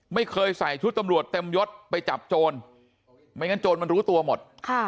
ไม่เคยใส่ชุดตำรวจเต็มยศไปจับโจรไม่งั้นโจรมันรู้ตัวหมด